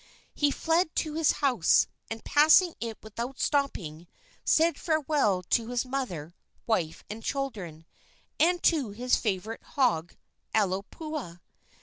He fled to his house, and, passing it without stopping, said farewell to his mother, wife and children, and to his favorite hog Aloipuaa.